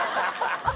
ハハハ。